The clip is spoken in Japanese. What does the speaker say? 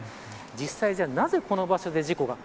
実際、なぜこの場所で事故が。